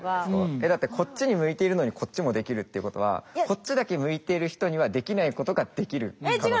だってこっちに向いているのにこっちもできるっていうことはこっちだけ向いてる人にはできないことができる可能性が。